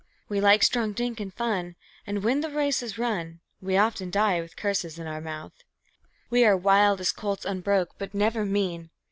We like strong drink and fun, and, when the race is run, We often die with curses in our mouth. We are wild as colts unbroke, but never mean.